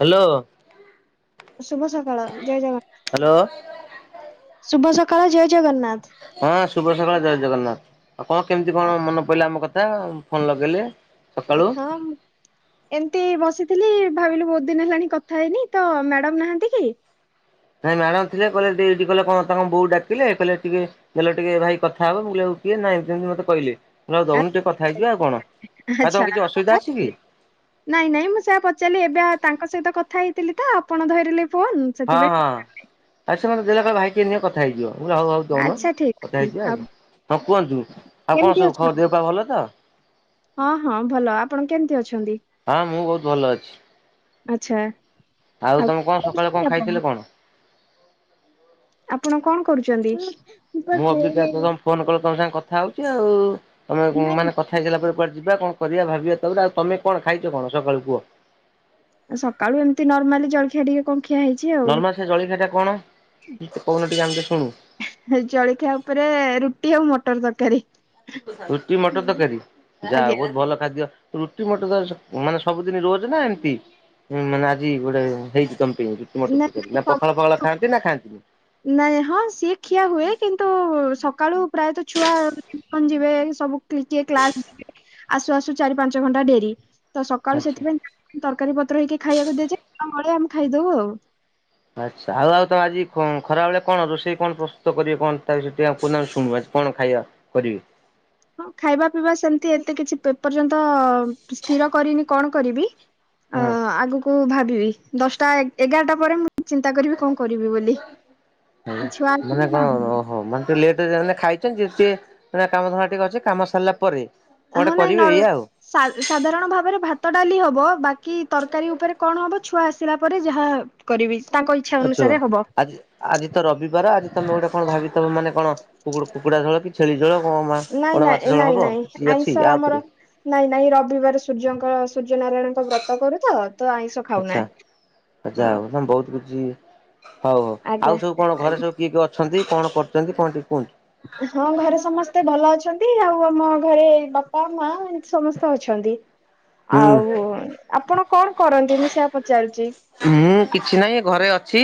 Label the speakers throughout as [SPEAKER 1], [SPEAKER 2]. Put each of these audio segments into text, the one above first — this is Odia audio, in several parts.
[SPEAKER 1] ହ୍ୟାଲୋ।
[SPEAKER 2] ଶୁଭ ସକାଳ ଜୟ ଜଗନ୍ନାଥ
[SPEAKER 1] ହ୍ୟାଲୋ
[SPEAKER 2] ଶୁଭ ସକାଳ ଜୟ ଜଗନ୍ନାଥ।
[SPEAKER 1] ହଁ ଶୁଭ ସକାଳ ଜୟ ଜଗନ୍ନାଥ ଆଉ କଣ କେମିତି
[SPEAKER 2] ଆଉ
[SPEAKER 1] କଣ ମନେ ପଇଲା ଆମ କଥା ଫୋନ ଲଗେଇଲେ। ସକାଳୁ?
[SPEAKER 2] ହଁ ମୁଁ ଏମତି ବସିଥିଲି ଭାବିଲୁ ବହୁତ ଦିନ ହେଲାଣି କଥା ହେଇନି ତ ମ୍ୟାଡାମ ନାହାନ୍ତି କି?
[SPEAKER 1] ନାଇଁ ମ୍ୟାଡାମ ଥିଲେ କହିଲଠି କିଲେ କଣ ତାଙ୍କ ବୋଉ ଡାକିଲେ କହିଲେ ଟିକେ ନହଲେ ଟିକେ ଭାଇ କଥା ହବ ମୁଁ କହିଲି କିଏ ନା ଏମତି ଏମିତି ମତେ କହିଲେ। ଆଉ ଦଉନୁ ଟିକେ କଥା ହେଇଯିବା ଆଉ କଣ ଆଉ
[SPEAKER 2] ଆଚ୍ଛା
[SPEAKER 1] ତମ କିଛି
[SPEAKER 2] ଆପଣ
[SPEAKER 1] ଅସୁବିଧା ଅଛି କି?
[SPEAKER 2] ଆସିଥିଲେ? ନାଇଁ ନାଇଁ ମୁଁ ସେଆ ପଚାରିଲି ଏବେ ତାଙ୍କ ସହିତ କଥା ହେଇଥିଲି ତ ଆପଣ ଧରିଲେ ଫୋନ।
[SPEAKER 1] ହଁ
[SPEAKER 2] ସେଥିପାଇଁ
[SPEAKER 1] ହଁ ଆଉ ସେ ମତେ ଦେଲେ ଭାଇ ଟିକେ ନିହ କଥା ହେଇଯିବ ମୁଁ କହିଲି ହୋଉ ହୋଉ ଦଉନ
[SPEAKER 2] ଆଚ୍ଛା ଠିକ
[SPEAKER 1] କଥା
[SPEAKER 2] ଅଛି
[SPEAKER 1] ହେଇଯିବା ଆଉ। ହଁ କୁହନ୍ତୁ, ଆଉ କଣ
[SPEAKER 2] କେମିତି
[SPEAKER 1] ସବୁ ଖବର
[SPEAKER 2] ଅଛନ୍ତି?
[SPEAKER 1] ଦେହ ପା ଭଲ ତ।
[SPEAKER 2] ହଁ ହଁ ଭଲ ଆପଣ କେମିତି ଅଛନ୍ତି?
[SPEAKER 1] ହଁ ମୁଁ ବହୁତ ଭଲ ଅଛି।
[SPEAKER 2] ଆଚ୍ଛା।
[SPEAKER 1] ଆଉ ତମେ କଣ ସକାଳେ କଣ ଖାଇଥିଲେ କଣ?
[SPEAKER 2] ଆପଣ କଣ କରୁଛନ୍ତି? ପା
[SPEAKER 1] ମୁଁ ଅଭିକା
[SPEAKER 2] ଖୋଇନି।
[SPEAKER 1] ତମେ ଫୋନ କଲ ତମ ସାଙ୍ଗେ କଥା ହଉଛି ଆଉ ତମ
[SPEAKER 2] ନାଇଁ,
[SPEAKER 1] ମାନେ କଥା ହେଇସାଇଲା ପରେ କୁଆଡେ଼ ଯିବା କଣ କରିବା ଭାବିବା ତାପରେ ଆଉ ତମେ କଣ ଖାଇଛ କଣ ସକାଳୁ କୁହ?
[SPEAKER 2] ଆ ସକାଳୁ ଏମିତି ନର୍ମାଲି ଜଳଖିଆ ଟିକେ କଂଖିଆ ହେ
[SPEAKER 1] ନର୍ମାଲ ସେ ଜଳିଖିଆଟା କଣ କି କହୁନ ଟିକେ ଆମେ ଶୁଣୁ।
[SPEAKER 2] ଜଳଖିଆ ଉପରେ ରୁଟି ଆଉ ମଟର ତରକାରୀ।
[SPEAKER 1] ରୁଟି ମଟର ତରକାରୀ ଯାହା
[SPEAKER 2] ଆଜ୍ଞା
[SPEAKER 1] ହୋଉ ବହୁତ ଭଲ ଖାଦ୍ୟ। ରୁଟି ମଟ ତକାରି ମାନେ ସବୁଦିନ ରୋଜ ନା ଏମିତି ମାନେ ଆଜି ଗୋଟେ ହେଇଛି ତମ ପାଇଁକି। ମଟର ତକାରି ନା ପଖାଳ ଫକାଳ ଖାଆନ୍ତି ନା ଖାଆନ୍ତିନି?
[SPEAKER 2] ନାଇଁ ହଁ ସିଏ ଖିଆ ହୁଏ କିନ୍ତୁ ସକାଳୁ ପ୍ରାୟତଃ ଛୁଆ ଟିଉସନ ଯିବେ ସବୁ କ୍ଲାସ ଯିବେ ଆସୁ ଆସୁ ଚାରି ପାଞ୍ଚ ଘଣ୍ଟା ଡେରି। ତ ସକାଳୁ
[SPEAKER 1] ଆଚ୍ଛା।
[SPEAKER 2] ସେଥିପାଇଁ ତରକାରୀ ପତ୍ର ହେଇକି ଖାଇବାକୁ ଦିଛେମଳେ ଆମେ ଖାଇଦବୁ ଆଉ।
[SPEAKER 1] ଆଚ୍ଛା ଆଉ ଆଉ ତମ ଆଜି ଖରାବେଳେ କଣ ରୋଷେଇ କଣ ପ୍ରସ୍ତୁ କରିବ କଣ ତା ବିଷ ଟ ପ ଶୁଣୁ ଆଜି କଣ ଖାଇବା? କରିବେ?
[SPEAKER 2] ହଁ ଖାଇବା ପିଇବା ସେମିତି ଏତେ କିଛି ଏପର୍ଯ୍ୟନ୍ତ ସ୍ଥିର କରିନି କଣ କରିବି। ଅ
[SPEAKER 1] ହଁ।
[SPEAKER 2] ଆଗକୁ ଭାବିବି। ଦଶଟା ଏଗାରଟା ପରେ ମୁଁ ଚିନ୍ତା କରିବି କଣ କରିବି ବୋଲି। ଛୁଆ
[SPEAKER 1] ହଉ ମାନେ
[SPEAKER 2] ଆସିଲେ
[SPEAKER 1] କଣ ହଁ ମାନେ ଟେ ଲେଟାନେ ଖାଇଛନ୍ତି ଟିକେ କାମଧଣ୍ଡା ଟିକେ ଅଛି କାମ ସାରିଲା ପରେ କଣ
[SPEAKER 2] ହଁ
[SPEAKER 1] ଗୋଟେ
[SPEAKER 2] ନାଇଁ
[SPEAKER 1] କରିବେ
[SPEAKER 2] ନର
[SPEAKER 1] ଏଇଆ ଆଉ।
[SPEAKER 2] ସାଧାରଣ ଭାବରେ ଭାତ ଡାଲି ହବ ବାକି ତରକାରୀ ଉପରେ କଣ ହବ ଛୁଆ ଆସିଲା ପରେ ଯାହା କରିବି ତାଙ୍କ ଇଚ୍ଛା।
[SPEAKER 1] ଆଚ୍ଛା
[SPEAKER 2] ଅନୁସାରେ ହବ।
[SPEAKER 1] ଆଜି ଆଜି ତ ରବିବାର ଆଜି ତମେ ଗୋଟେ କଣ ଭାବି ମାନେ କଣ କୁ କୁକୁଡା ଝୋଳ ଛେଳି ଜଳ କଣ
[SPEAKER 2] ନାଇଁ
[SPEAKER 1] କଣ ମାଛ
[SPEAKER 2] ନାଇଁ
[SPEAKER 1] ଝୋଳ
[SPEAKER 2] ନାଇଁ
[SPEAKER 1] ହବ
[SPEAKER 2] ନାଇଁ
[SPEAKER 1] କିଛି
[SPEAKER 2] ଆଇଁଷ
[SPEAKER 1] ଅଛି ୟା
[SPEAKER 2] ଆମର
[SPEAKER 1] ଉପରେ
[SPEAKER 2] ନାଇଁ ନାଇଁ ରବିବାର ସୂର୍ଯ୍ୟଙ୍କର ସୂର୍ଯ୍ୟ ନାରାୟଣଙ୍କ ବ୍ରତ କରୁ ତ ତ ଆଇଁଷ ଖାଉନାହି।
[SPEAKER 1] ଯାହା ହଉ ତମେ ବହୁତ କିଛି ହଉ ହଉ
[SPEAKER 2] ଆଜ୍ଞା।
[SPEAKER 1] ଆଉ ସବୁ କଣ ଘରେ ସବୁ କିଏ କିଏ ଅଛନ୍ତି କଣ କରୁଛନ୍ତି କଣ ଟିକେ କୁହନ୍ତୁ।
[SPEAKER 2] ହଁ ଘରେ ସମସ୍ତେ ଭଲ ଅଛନ୍ତି ଆଉ ଆମ ଘରେ ବାପା ମା ଏ ସମସ୍ତେ ଅଛନ୍ତି।
[SPEAKER 1] ହୁଁ।
[SPEAKER 2] ଆଉ ଆପଣ କଣ କରନ୍ତି ମୁଁ ସେଆ ପଚାରୁଛି?
[SPEAKER 1] ମୁଁ କିଛି ନାହିଁ ଘରେ ଅଛି।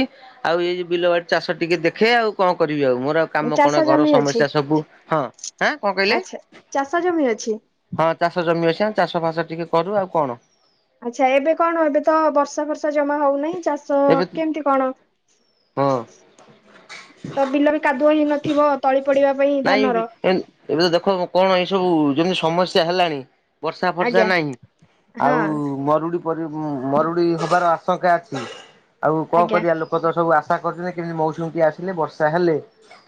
[SPEAKER 1] ଆଉ ଏଇ ଯଉ ବିଲ ବାଡି ଚାଷ ଟିକେ ଦେଖେ ଆଉ କଣ କରିବି ଆଉ ମୋରଉ କାମ
[SPEAKER 2] ଚାଷ
[SPEAKER 1] କଣ ଘର
[SPEAKER 2] ଜମି ଅଛି
[SPEAKER 1] ସମସ୍ୟା ସବୁ ହଁ ଆଁ କଣ କହିଲେ।
[SPEAKER 2] ଆଚ୍ଛା ଚାଷ ଜମି ଅଛି।
[SPEAKER 1] ହଁ ଚାଷ ଜମି ଅଛି ଚାଷ ଫାସ ଟିକେ କରୁ ଆଉ କଣ?
[SPEAKER 2] ଆଚ୍ଛା ଏବେ କଣ ଏବେ ତ ବର୍ଷା ବର୍ଷା ଜମା ହଉନାହିଁ ଚାଷ
[SPEAKER 1] ଏବେ
[SPEAKER 2] କେମିତି କଣ?
[SPEAKER 1] ହଁ
[SPEAKER 2] ତ ବିଲ ବି କାଦୁଅ ହେଇ ନଥିବ ତଳି ପଡିବା ପାଇଁ
[SPEAKER 1] ନାଇଁ
[SPEAKER 2] ଧାନର
[SPEAKER 1] ଏବେ ତ ଦେଖ କଣ ଏଇ ସବୁ ଯେମିତି ସମସ୍ୟା ହେଲାଣି ବର୍ଷା ଫର୍ଷା
[SPEAKER 2] ଆଜ୍ଞା
[SPEAKER 1] ନାହିଁ
[SPEAKER 2] ହଁ
[SPEAKER 1] ଆଉ ମରୁଡି ମରୁଡି ହବାର ଆଶଙ୍କା ଅଛି ଆଉ କଣ
[SPEAKER 2] ଆଜ୍ଞା
[SPEAKER 1] କରିବା ଲୋକ। ଲୋକ ତ ସବୁ ଆଶା କରିଛନ୍ତି କେମିତି ମୌସୁମୀ ଟଏ ଆସିଲେ ବର୍ଷା ହେଲେ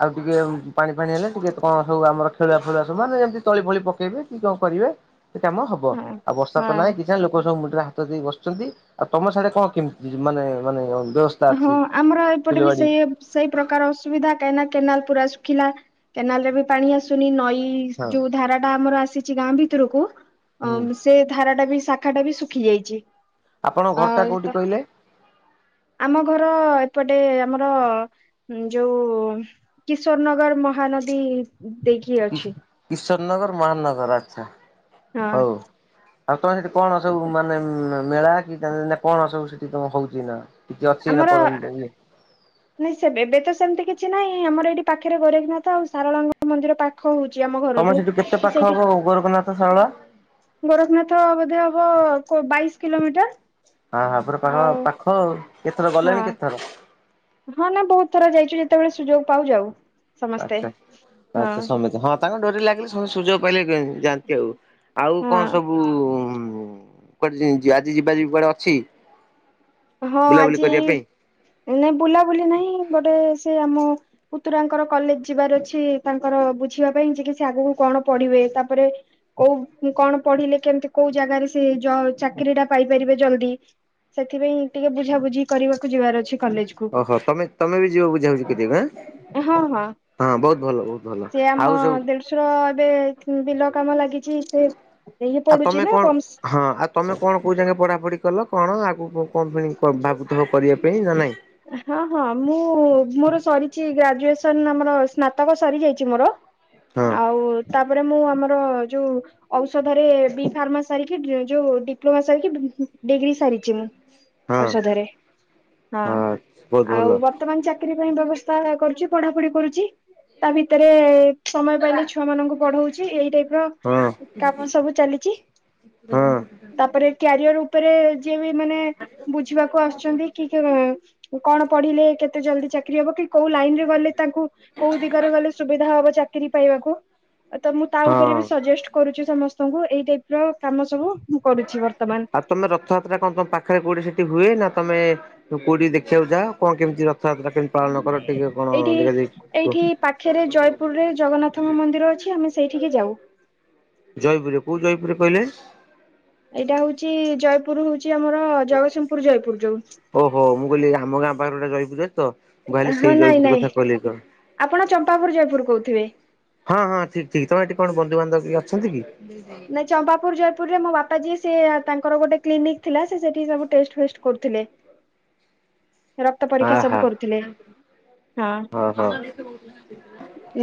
[SPEAKER 1] ଆଉ ଟିକିଏ ପାଣି ମଣି ହେଲେ ଟିକେ କଣ ସବୁ ଆମର ଖେଳଆ ଫେଳିଆ ସବ ମାନ ଯେମତି ତଳି ଫଳି ପକେଇବେ କି କଣ କରିବେ ସେ କାମ ହବ
[SPEAKER 2] ହଁ।
[SPEAKER 1] ଅବସ୍ତା ତ ନାଇଁ କି
[SPEAKER 2] ହଁ
[SPEAKER 1] ଲୋକ ସବୁ ମୁଣ୍ଡରେ ହାତ ଦେଇ ବସିଛନ୍ତି ଆଉ ତମ ସାଡରେ କଣ କେମିତି ମାନେ ମାନେ ବ୍ୟବସ୍
[SPEAKER 2] ହଁ ଆମର ଏପଟେ ବି ସେଇ ସେଇ ପ୍ରକାର ଅସୁବିଧା କାହିଁକିନା କେନାଲ ପୁରା ଶୁଖିଲା କେନାଲ ରେ ବି ପାଣି ଆସୁନି ନଈ
[SPEAKER 1] ହଁ
[SPEAKER 2] ଯୋଉ ଧାରା ଟା ଆମର ଆସିଛି ଗାଁ ଭିତରକୁ
[SPEAKER 1] ହୁଁ
[SPEAKER 2] ଅ ସେ ଧାରା ଟା ବି ଶାଖା ଟା ବି ଶୁଖି ଯାଇଛି।
[SPEAKER 1] ଆପଣଙ୍କ
[SPEAKER 2] ଅ
[SPEAKER 1] ଘରଟା
[SPEAKER 2] ତ
[SPEAKER 1] କୋଉଠି କହିଲେ?
[SPEAKER 2] ଆମ ଘର ଏପଟେ ଆମର ଯୋଉ କିଶୋର ନଗର ମହାନଦୀ ଦେଇକି ଅଛି।
[SPEAKER 1] ଈଶ୍ୱର ନଗର ମହାନଗର ଆଚ୍ଛା
[SPEAKER 2] ହଁ
[SPEAKER 1] ହଉ ଆଉ ତମେ ସେଠି କଣ ସବୁ ମାନେ ମେଳା କି କଣ ସବୁ ସେଠି ତମ ହଉଛି ନା କିଛି ଅଛି ନା
[SPEAKER 2] ଆମର
[SPEAKER 1] ଇଏ?
[SPEAKER 2] ନାଇଁ ସେ ଏବେ ତ ସେମିତି କିଛି ନାହିଁ ଆମର ଏଇଠି ପାଖରେ ଗୋରେଖନାଥ ଆଉ ସାରଳାଙ୍ଗ ମନ୍ଦିର ପାଖ ହଉଛି ଆମ ଘରଠୁ ତ ସେଇଠି
[SPEAKER 1] ଗୋରେଖନାଥ ତ ସଳ
[SPEAKER 2] ଗୋରଖନାଥ ବୋଧେ ହବ କୋ ବାଇଶ୍ କିଲୋମିଟର।
[SPEAKER 1] ହଁ ହ ପୁରା ପାଖ
[SPEAKER 2] ଆଉ
[SPEAKER 1] ପାଖ କେତେଥର ଗଲେଣି
[SPEAKER 2] ହଁ
[SPEAKER 1] କେତେଥର?
[SPEAKER 2] ହଁ ନା ବହୁତ ଥର ଯାଇଛୁ ଯେତେବେଳେ ସୁଯୋଗ ପାଉଛୁ ଆଉ।
[SPEAKER 1] ଆଚ୍ଛା ଆଚ୍ଛା ସମିିତ ହଁ। ତାଙ୍କ ଡୋରି ଲାଗିଲେ ସମସ୍ତେ ସୁଯୋଗ ପାଇଲେ ଯାଆନ୍ତି ଆଉ, ଆଉ
[SPEAKER 2] ହଁ
[SPEAKER 1] କଣ ସବୁ? କୁ ଉ କୁଆଡ଼େ ଯି ଆଜି ଯିବା ଯିବି କୁଆଡ଼େ ଅଛି?
[SPEAKER 2] ହଁ
[SPEAKER 1] ବୁଲାବୁଲି
[SPEAKER 2] ଆଜି
[SPEAKER 1] କରିବା ପାଇଁ?
[SPEAKER 2] ନାଇ ବୁଲାବୁଲି ନାହିଁ ଗୋଟେ ସେ ଆମ ପୁତୁରାଙ୍କର କଲେଜ ଯିବାର ଅଛି ତାଙ୍କର ବୁଝିବା ପାଇଁ ଯେ କି ସେ ଆଗକୁ କଣ ପଢ଼ିବେ, ତାପରେ କୋଉ କଣ ପଢ଼ିଲେ କେମିତି କୋଉ ଜାଗାରେ ସେ ଯ ଚାକିରି ଟା ପାଇପାରିବେ ଜଲଦି। ସେଥିପାଇଁ ଟିକେ ବୁଝାବୁଝି କରିବାକୁ ଯିବାର ଅଛି। କଲେଜ କୁ
[SPEAKER 1] ଓହୋ! ତମେ ତମେ ବି ଯିବ ବୁଝା ବୁଝି କରିଆକୁ ଏଁ?
[SPEAKER 2] ହଁ ହଁ।
[SPEAKER 1] ହଁ ବହୁତ ଭଲ ବହୁତ ଭଲ
[SPEAKER 2] ସେ ଆମ
[SPEAKER 1] ଆଉ ସବୁ
[SPEAKER 2] [unintelligible] ଏବେ ବିଲ କାମ ଲାଗି
[SPEAKER 1] ଆଉ ତମେ କଣ ହଁ ଆଉ ତମେ କଣ କୋଉ ଜାକେ ପଢ଼ାପଢ଼ି କଲ କଣ ଆଗକୁ କଣ ପାଇଁ ପ ଭାବୁଥିବ କରିଆ ପାଇଁ ନା ନାହିଁ?
[SPEAKER 2] ହଁ ହଁ ମୁଁ ମୋର ସରିଛି ଗ୍ରାଜୁଏସନ ଆମର ସ୍ନାତକ ସରି ଯାଇଛି ମୋର।
[SPEAKER 1] ହଁ
[SPEAKER 2] ଆଉ ତାପରେ ମୁଁ ଆମର ଯୋଉ ଔଷଧରେ ବି ଫାର୍ମା ସାରିକି ଯୋଉ ଡିପ୍ଲୋମା ସାରିକି ଡିଗ୍ରୀ ସାରିଛି ମୁଁ।
[SPEAKER 1] ହଁ
[SPEAKER 2] ଔଷଧରେ ହଁ
[SPEAKER 1] ବହୁତ ଭଲ
[SPEAKER 2] ଆଉ ବତ ର୍ତମାନ ଚାକିରୀ ପାଇଁ ବ୍ୟବସ୍ଥା କରୁଛି, ପଢ଼ାପଢ଼ି କରୁଛି ତା ଭିତେରେ ସମୟ ପାଇଲେ ଛୁଆ ମାନଙ୍କୁ ପଢ଼ଉଛି, ଏଇ ଟାଇପ୍ ର
[SPEAKER 1] ହଁ
[SPEAKER 2] କାମ ସବୁ ଚାଲିଚି।
[SPEAKER 1] ହଁ।
[SPEAKER 2] ତାପରେ କ୍ୟାରିଅର ଉପରେ ଯିଏ ବି ମାନେ ବୁଝିବାକୁ ଆସୁଛନ୍ତି କିକି ଉଁ କଣ ପଢ଼ିଲେ କେତେ ଜଲ୍ଦି ଚାକିରି ହବ କି କୋଉ ଲାଇନ ରେ ଗଲେ ତାଙ୍କୁ କୋଉ ଦିଗରେ ଗଲେ ସୁବିଧା ହବ ଚାକିରି ପାଇବାକୁ। ତ ମୁଁ ତା ଉପରେ ବି
[SPEAKER 1] ହଁ
[SPEAKER 2] ସଜେଷ୍ଟ କରୁଛି ସମସ୍ତଙ୍କୁ, ଏଇ ଟାଇପ୍ ର କାମ ସବୁ ମୁଁ କରୁଛି ବର୍ତ୍ତମାନ।
[SPEAKER 1] ଆଉ ତମେ ରଥଯାତ୍ରା କଣ ତମ ପାଖରେ କଉଠି ସେଠି ହୁଏ, ନା ତମେ ତୁ କୋଉଠିକି ଦେଖିବାକୁ ଯା କଣ କେମିତି ରଥଯାତ୍ରା କେମିତି ପାଳନ କର ଟିକେ କଣ
[SPEAKER 2] ଏଇଠି
[SPEAKER 1] ଦେଖା, ଇ
[SPEAKER 2] ଏଇଠି ପାଖେରେ ଜୟପୁରରେ ଜଗନ୍ନାଥଙ୍କ ମନ୍ଦିର ଅଛି ଆମେ ସେଇଠିକି ଯାଉ।
[SPEAKER 1] ଜୟପୁରରେ କୋଉ ଜୟପୁରରେ କହିଲେ?
[SPEAKER 2] ଏଇଟା ହଉଛି ଜୟପୁର ହଉଛି ଆମର ଜଗତସିଂହପୁର ଜୟପୁର ଯୋଉ।
[SPEAKER 1] ଓହୋ! ମୁଁ କହିଲି ଆମ ଗାଁ ପାଖରେ ଗୋଟେ ଜୟପୁର ଅଛି ତ। ମୁଁ ଭାବିଲି
[SPEAKER 2] ହଁ
[SPEAKER 1] ସେଇ
[SPEAKER 2] ନାଇଁ
[SPEAKER 1] ଜୟପୁର କଥା
[SPEAKER 2] ନାଇଁ
[SPEAKER 1] କହିଲେ କି କଣ?
[SPEAKER 2] ଆପଣ ଚମ୍ପାପୁର ଜୟପୁର କହୁଥିବେ।
[SPEAKER 1] ହଁ ହଁ ଠିକ୍ ଠିକ୍ ତମେ ଏଠି କଣ ବନ୍ଧୁବାନ୍ଧବ କିଏ ଅଛନ୍ତି କି?
[SPEAKER 2] ନାଇ ଚମ୍ପାପୁର ଜୟପୁରରେ ମୋ ବାପା ଯିଏ ସିଏ ତାଙ୍କର ଗୋଟେ କ୍ଲିନିକ ଥିଲା ସେ ସେଠି ଟେଷ୍ଟ ଫେଷ୍ଟ କରୁଥିଲେ। ରକ୍ତ
[SPEAKER 1] ଆ
[SPEAKER 2] ପରୀକ୍ଷା ସବୁ
[SPEAKER 1] ହା
[SPEAKER 2] କରୁଥିଲେ, ହଁ।
[SPEAKER 1] ହଁ।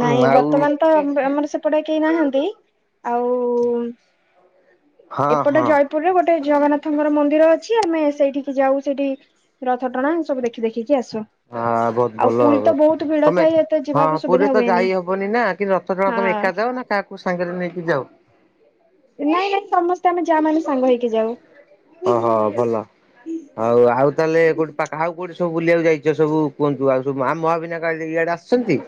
[SPEAKER 2] ନାଇଁ
[SPEAKER 1] ଆଉ
[SPEAKER 2] ବର୍ତ୍ତମାନ ତ ଆମର ସେପଟେ କେହି ନାହାନ୍ତି। ଆଉ
[SPEAKER 1] ହଁ
[SPEAKER 2] ଏପଟେ
[SPEAKER 1] ହଁ
[SPEAKER 2] ଜୟପୁରରେ ଗୋଟେ ଜଗନ୍ନା ଥ ଙ୍କର ମନ୍ଦିର ଅଛି ଆମେ ସେଇଠିକି ଯାଉ ସେଇଠି ରଥଟଣା ଏ ସବୁ ଦେଖି ଦେଖିକି ଆସୁ।
[SPEAKER 1] ହଁ ବହୁତ
[SPEAKER 2] ଆଉ
[SPEAKER 1] ଭଲ
[SPEAKER 2] ପୁରି ତ ବହୁତ ଭିଡ଼
[SPEAKER 1] ତମେ
[SPEAKER 2] ଥାଏ ଏତେ
[SPEAKER 1] ହଁ
[SPEAKER 2] ଯିବାକୁ ସ
[SPEAKER 1] ପୁରୀ ତ ଯାଇ ହବନି ନା କିନ୍ତୁ ରଥ ଟଣା ତମେ ଏକା
[SPEAKER 2] ହଁ
[SPEAKER 1] ଯାଅ ନା କାହାକୁ ସାଙ୍ଗେରେ ନେଇକି ଯାଉ।
[SPEAKER 2] ନାଇଁ ନାଇଁ ସମସ୍ତେ ଆମେ ଯା ମାନେ ସାଙ୍ଗ ହେଇକି ଯାଉ।
[SPEAKER 1] ଆ ହ ଭଲ।
[SPEAKER 2] ହୁଁ।
[SPEAKER 1] ଆଉ ଆଉ ତାହେଲେ କୋଉଠି ପାଖ ଆଉ କଉଠି ସବୁ ଵୁଲିବାକୁ ଯାଇଛ ସବୁ କୁହନ୍ତୁ ଆଉ ସବୁ ଆମ ମହାବିନାୟକ ଇଆଡ଼େ ଅସ ଶନ୍ତି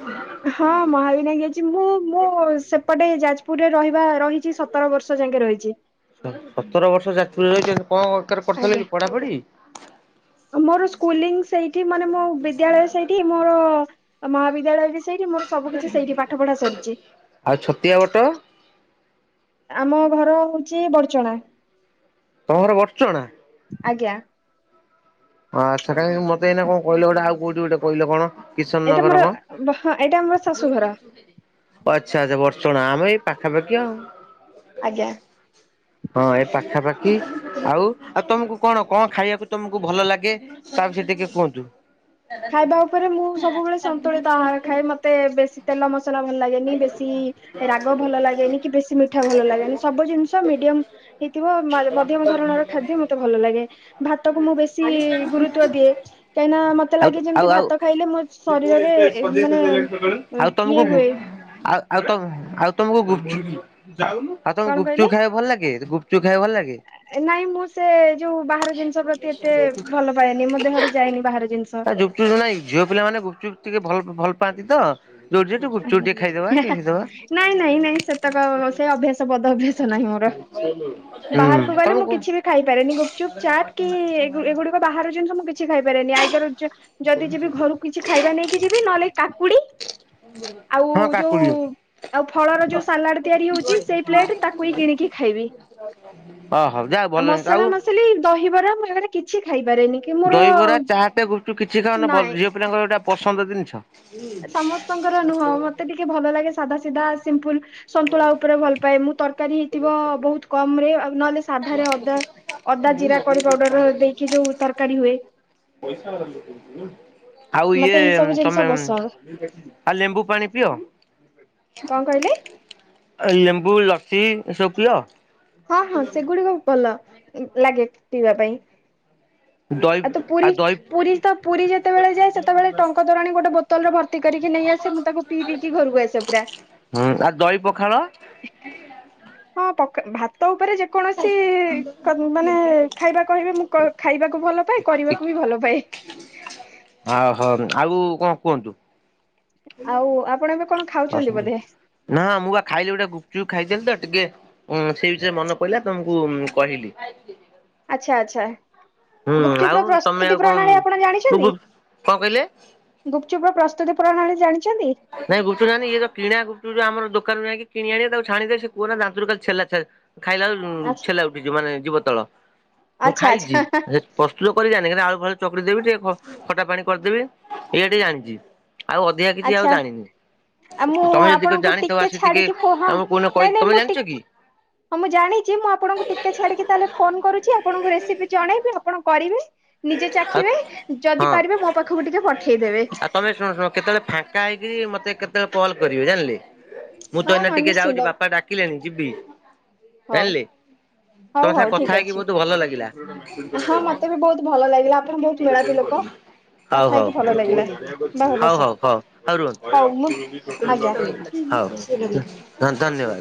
[SPEAKER 2] ହଁ ମହାବିନା ଜଉଛି ମୁଁ ମୁଁ ସେପଟେ ଯାଜପୁରରେ ରହିବା ରହି ଚି ସତର ବର୍ଷ ଯାଙ୍କେ ରହିଚି।
[SPEAKER 1] ସତର ବର୍ଷ [unintelligible] କଣ ଏକରେ କରୁଥିଲେ
[SPEAKER 2] ଆଜ୍ଞା
[SPEAKER 1] କି ପଢ଼ାପଢ଼ି?
[SPEAKER 2] ମୋର ସ୍କୁଲିଙ୍ଗ ସେଇଠି ମାନେ ମୋ ବିଦ୍ୟାଳୟ ସେଇଠି ମୋର ମହାବିଦ୍ୟାଳୟ ବି ସେଇଠି ମୋର ସବୁ କିଛି ସେଇଠି ପାଠ ପଢ଼ା ସରିଛି।
[SPEAKER 1] ଆଉ ଛତିଆ ବଟ
[SPEAKER 2] ଆମ ଘର ହଉଚି ବଡ଼ଚଣା।
[SPEAKER 1] ତମର ବଡ଼ଚଣା?
[SPEAKER 2] ଆଜ୍ଞା।
[SPEAKER 1] ଆଛା କାହିଁକି ମତେ ଏଇନା କଣ କହିଲ ଗୋଟେ ଆଉ କୋଉଟି ଗୋଟେ କହିଲ କଣ? କିଶନ
[SPEAKER 2] ଏଇଟା
[SPEAKER 1] ନଗର
[SPEAKER 2] ମୋର
[SPEAKER 1] କଣ?
[SPEAKER 2] ଏଇଟା ମୋର ଶାଶୁ ଘର।
[SPEAKER 1] ଆଚ୍ଛା ଆଚ୍ଛା ବଡଚଣଆ ଆମେ ଏଇ ପାଖା ପାାଖି ଆଉ।
[SPEAKER 2] ଆଜ୍ଞା।
[SPEAKER 1] ହଁ ଏ ପାଖାପାଖି ଆଉ। ଆଉ ତମକୁ କଣ କଣ ଖାଇବାକୁ ତମକୁ ଭଲ ଲାଗେ? ଗେ ତା ବିଷୟରେ ଟିକେ କୁହନ୍ତୁ।
[SPEAKER 2] ଖାଇବା ଉପରେ ମୁଁ ସବୁବେଳେ ସନ୍ତୁଳିତ ଆହାର ଖାଏ। ମତେ ବେଶୀ ତେଲ ମସଲା ଭଲ ଲାଗେନି। ବେଶୀ ରାଗ ଭଲ ଲାଗେନି କି ବେଶୀ ମିଠା ଭଲ ଲାଗେନି। ସବୁ ଜିନିଷ ମିଡିୟମ ହେଇଥିବ ମଧ୍ୟମ ଧରଣର ଖାଦ୍ୟ ମତେ ଭଲ ଲାଗେ। ଭାତ କୁ ମୁଁ ବେଶୀ ଗୁରୁତ୍ଵ ଦିଏ କାହିଁ ନା ମତେ ତେ
[SPEAKER 1] ଆଉ
[SPEAKER 2] ଲାଗେ
[SPEAKER 1] ଆଉ
[SPEAKER 2] ଯେମିତି
[SPEAKER 1] ଆଉ
[SPEAKER 2] ଭାତ ଖାଇଲେ ମୋ ଶରୀରରେ ମାନେ
[SPEAKER 1] ଆଉ ତମକୁ
[SPEAKER 2] ଇଏ ହୁଏ।
[SPEAKER 1] ଆଉ ଆଉ ତ ଆଉ ତମକୁ ଗୁପଚୁପ ଆଉ ତମକୁ
[SPEAKER 2] କଣ
[SPEAKER 1] ଗୁପଚୁପ
[SPEAKER 2] କହିଲେ
[SPEAKER 1] ଖାଇବାକୁ ଭଲ ଲାଗେ ଗୁପଚୁ ଚୁପ ଖାଇବାକୁ ଭଲ ଲାଗେ?
[SPEAKER 2] ନାଇଁ ମୁଁ ସେ ଯୋଉ ବାହାର ଜିନିଷ ପ୍ରତି ଏତେ ଭଲ ପାଏନି। ମୋ ଦେହରେ ଯାଏନି ବାହାର ଜିନିଷ।
[SPEAKER 1] ଗୁପଚୁପୁ ନାଇ। ଝିଅ ପିଲା ମାନେ ଗୁପଚୁପ ଟିକେ ଭଲ ଭଲ ପାଆନ୍ତି ତ ଯୋଉଠି ସେଠି ଗୁପଚୁପ୍ ଟିକେ ଖାଇଦବା
[SPEAKER 2] ଆଜ୍ଞା
[SPEAKER 1] ଟିକେ ଖାଇଦବା
[SPEAKER 2] ନାଇଁ ନାଇଁ ନାଇଁ ସେତେକ ସେ ଅଭ୍ୟାସ ତେ ବଦ ଅଭ୍ୟାସ ନାହିଁ ମୋର।
[SPEAKER 1] ହୁଁ
[SPEAKER 2] ବାହାରକୁ ଗଲେ ମୁଁ
[SPEAKER 1] ତମକୁ
[SPEAKER 2] କିଛି ବି ଖାଇପାରେନି ଗୁପଚୁପ୍ ଚାଟ କି ଏଗୁଡ ବାହାର ଜିନିଷ ମୁ କିଛି ଖାଇପାରେନି। ଆଇଦ ଯଦି ଯିବି ଘରୁ କିଛି ଖାଇବା ନେଇକି ଯିବି ନହେଲେ କାକୁଡି
[SPEAKER 1] [inaudible]
[SPEAKER 2] ଆଉ ଯୋଉ
[SPEAKER 1] କାକୁଡି
[SPEAKER 2] ଆଉ ଫଳର ଯୋଉ ସାଲାଡ ତିଆରି ହଉଚି ସେଇ ପ୍ଲେଟ ତାକୁ ହିଁ କିଣିକି ଖାଇବି।
[SPEAKER 1] ଓ ହଉ ଯା ଭଲ ଜିନିଷ। ଆଉ
[SPEAKER 2] କ୍ ଚୋଲି ଦହିବରା ଫ ବରା କିଛି ଖାଇପାରେନି କି ମୁ
[SPEAKER 1] ଦହିବରା ଚାଟ ଗୁପଚୁପ୍ କିଛି ଖାଅନା
[SPEAKER 2] ନାଇଁ।
[SPEAKER 1] ଝିଅ ପିଲାଙ୍କର ଗୋଟା ପସନ୍ଦ ଜିନିଷ।
[SPEAKER 2] ସମସ୍ତଙ୍କର ନୁହଁ ମତେ ଭଲ ଲାଗେ ସାଧା ସିଧା ସିମ୍ପଲ ସନ୍ତୁଳା ଉପରେ ଭଲ ପାଏ ମୁଁ ତର ତରକାରୀ ହେଇଥିବ। ବହୁତ କମରେ ନହେଲେ ସାଧାରେ ଅଦା ଅଦା ଜିରା କରି ପାଉଡର ଦେଇକି ଯୋଉ ତରକାରୀ ହୁଏ।
[SPEAKER 1] ଆଉ
[SPEAKER 2] ମତେ
[SPEAKER 1] ଇଏ
[SPEAKER 2] ଏଇ ସବୁ ଜିନିଷ
[SPEAKER 1] ତମେ
[SPEAKER 2] ପସନ୍ଦ
[SPEAKER 1] ଆଉ ଲେମ୍ବୁ ପାଣି ପିଓ?
[SPEAKER 2] କଣ କହିଲେ?
[SPEAKER 1] ଏ ଲେମ୍ବୁ, ଲସ୍ସି ଏସବୁ ପିଅ।
[SPEAKER 2] ହଁ ହଁ ସେଗୁଡିକ ସବୁ ଭଲ ଲାଗେ ପିଇବା ପାଇଁ।
[SPEAKER 1] ଦଇ
[SPEAKER 2] ତ
[SPEAKER 1] ଆଉ
[SPEAKER 2] ପୁରୀ
[SPEAKER 1] ଦହି
[SPEAKER 2] ପୁରୀ ତ ପୁରୀ ଯେତେବେଳେ ଯାଏ ସେତେବେଳେ ଟଙ୍କ ତୋରାଣି ଗୋଟ ବୋତଲରେ ଭର୍ତ୍ତି କରିକି ନେଇ ଆସେ। ମୁଁ ତାକୁ ପିଇ ପିଇକି ଘରକୁ ଆସେ ପୁରା।
[SPEAKER 1] ହୁଁ ଆଉ ଦହି ପଖାଳ?
[SPEAKER 2] ହଁ ପ ଭାତ ଉପରେ ଯେ କୌଣସି କ ମାନେ ଖାଇବା କହିବେ ମୁଁ ଖାଇବାକୁ ଭଲ ପାଏ କରିବାକୁ ବି ଭଲ ପାଏ।
[SPEAKER 1] ଅହୋ ଆଉ କଣ କୁହନ୍ତୁ।
[SPEAKER 2] ଆଉ ଆପଣଙ୍କର
[SPEAKER 1] ନାଁ ମୁଁ ବା ଖାଇଲି ଗୋଟେ ଗୁପଚୁପ ଖାଇଦଲିି ତ ଟିକେ ହଁ ସେଇ ବିଷୟରେ ମନେ ପଇଲା ତମକୁ କହିଲି।
[SPEAKER 2] ଆଚ୍ଛା ଆଚ୍ଛା।
[SPEAKER 1] ହୁଁ
[SPEAKER 2] ଗୁପଚୁପ
[SPEAKER 1] ଆଉ
[SPEAKER 2] ର
[SPEAKER 1] ତମେ
[SPEAKER 2] ପ୍ରସ୍ତୁତି
[SPEAKER 1] ଆଉ କଣ
[SPEAKER 2] ପ୍ରଣାଳୀ ଆପଣ
[SPEAKER 1] ମୁଁ
[SPEAKER 2] ଜାଣିଛନ୍ତି?
[SPEAKER 1] ଗୁପ୍ କଣ କହିଲେ?
[SPEAKER 2] ଗୁପଚୁପ ର ପ୍ରସ୍ତୁତି ପ୍ରଣାଳୀ ଜାଣିଚନ୍ତି?
[SPEAKER 1] ନାଇଁ ଗୁପୁ ଚୁପ୍ ଜାଣିନି, ଇଏ ଯଉ କିଣା ଗୁପୁଚୁପ୍ ଯଉ ଆମ ଦୋକାନରୁ ଯାଇକ କିଣି ଆଣିବ, ତାକୁ ଛାଣି ଦେଇ ସେ କହ ନା ଦାରୁ କାଲି ଛେଲା ଛେ ଖାଇଲା ବେଳୁ ଛେଲା ଉଠିଛି ମାନେ ଜୀବ ତଳ ମୁଁ
[SPEAKER 2] ଆଚ୍ଛା ଆଚ୍ଛା
[SPEAKER 1] ଖାଇଛି।
[SPEAKER 2] ଆଚ୍ଛା
[SPEAKER 1] ପ୍ରସ୍ତୁତ କରି ଜାଣିି ଆଳୁ ଫାଳୁ ଚକଟି ଦେବି ଟିକେ ଖଟା ପାଣି କରିଦେବି ଏ ଇଆ ଟିକେ ଜାଣିଛି। ଆଉ ଅଧିକା କିଛି ଆଉ
[SPEAKER 2] ଆଚ୍ଛା
[SPEAKER 1] ଜାଣିନି।
[SPEAKER 2] ଆଉ ମୁଁ
[SPEAKER 1] ତମେ ଯଦି
[SPEAKER 2] ଆପଣଙ୍କୁ
[SPEAKER 1] ଜାଣିଥିବ
[SPEAKER 2] ଟିକେ
[SPEAKER 1] ଆସିକି
[SPEAKER 2] ଛାଡିକି ପହ ହଁ
[SPEAKER 1] ଆମକୁ କୋଉଦିନ କହି
[SPEAKER 2] ନାଇଁ ନାଇଁ
[SPEAKER 1] ତମେ
[SPEAKER 2] ମୁଁ
[SPEAKER 1] ଜାଣିଛ କି?
[SPEAKER 2] ଟିକେ ହଁ ମୁଁ ଜାଣିଛି ମୁଁ ଆପଣଙ୍କୁ ଟିକେ ଛାଡିକି ତାହେଲେ ଫୋନ କରୁଛି ଆପଣଙ୍କୁ ରେସିପି ଜଣେଇବି ଆପଣ କରିବେ। ନିଜେ
[SPEAKER 1] ଆଉ
[SPEAKER 2] ଚାଖିବେ ଯଦି
[SPEAKER 1] ହଁ
[SPEAKER 2] ପାରିବେ ମୋ ପାଖକୁ ଟିକେ ପଠେଇଦେବେ।
[SPEAKER 1] ଆଉ ତମେ ଶୁଣ ଶୁଣ? କେତେବେଳେ ଫାଙ୍କା ହେଇକିରି ମତେ କେତେବେଳେ କଲ୍ କରିବେ ଜାଣିଲି ମୁଁ ତ
[SPEAKER 2] ହଁ
[SPEAKER 1] ଏନ
[SPEAKER 2] ହଁ
[SPEAKER 1] ଟିକେ ଯାଉଛି
[SPEAKER 2] ନିଶ୍ଚିନ୍ତ
[SPEAKER 1] ବାପା ଡାକିଲେଣି ଯିିବି
[SPEAKER 2] ହଉ।
[SPEAKER 1] ଯାଣିଲେ?
[SPEAKER 2] ହଉ
[SPEAKER 1] ତମେ
[SPEAKER 2] ହଉ
[SPEAKER 1] ସାଙ୍ଗେ
[SPEAKER 2] ଠିକ
[SPEAKER 1] କଥା ହେଇକି
[SPEAKER 2] ଅଛି
[SPEAKER 1] ବହୁତ ଭଲ ଲାଗିଲା। ହଁ
[SPEAKER 2] ମତେ ବି ବହୁତ ଭଲ ଲାଗିଲା ଆପଣ ବହୁତ
[SPEAKER 1] କେବେ
[SPEAKER 2] ମେଳାପି
[SPEAKER 1] କେବେ
[SPEAKER 2] ଲୋକ
[SPEAKER 1] କରିବୁ। ହଉ
[SPEAKER 2] କଥା
[SPEAKER 1] ହଉ
[SPEAKER 2] ହେଇକି ଭଲ ଲାଗିଲା। ବାହୁ
[SPEAKER 1] ହଉ
[SPEAKER 2] ବସ
[SPEAKER 1] ହଉ ହଉ ହଉ ରୁହ।
[SPEAKER 2] ଆଜ୍ଞା।
[SPEAKER 1] ହଉ ହଁ ଧନ୍ୟବାଦ।